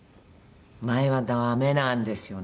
前はダメなんですよね。